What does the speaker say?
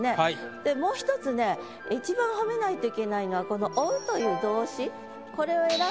でもう一つね１番褒めないといけないのはこの「追う」という動詞